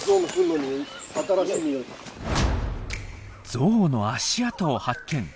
ゾウの足跡を発見！